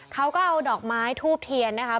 เขาก็เอาดอกไม้ทูบเทียนนะคะ